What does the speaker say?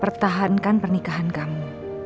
pertahankan pernikahan kamu